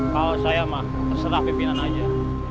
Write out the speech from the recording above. kalau saya mah terserah pimpinan aja